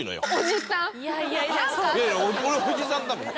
いやいや俺おじさんだもん。